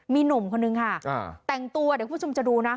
มีหนุ่มคนนึงค่ะแต่งตัวเดี๋ยวคุณผู้ชมจะดูนะ